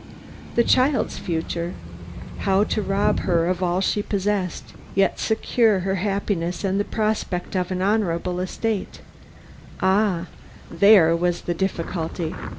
The child's future how to rob her of all she possessed, yet secure her happiness and the prospect of an honorable estate ah, there was the difficulty!